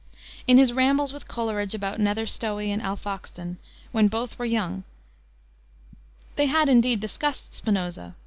In his rambles with Coleridge about Nether Stowey and Alfoxden, when both were young, they had, indeed, discussed Spinoza.